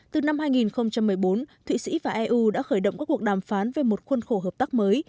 từ năm hai nghìn một mươi bốn thụy sĩ và eu đã khởi động các cuộc đàm phán về một khuôn khổ hợp tác mới